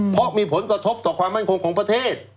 เพราะมีผลกระทบต่อความมั่นคงของประเทศ